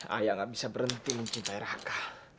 ayah gak bisa berhenti mencintai raka